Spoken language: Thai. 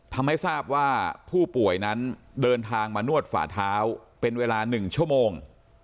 ทำให้ทราบว่าผู้ป่วยนั้นเดินทางมานวดฝ่าเท้าเป็นเวลา๑ชั่วโมง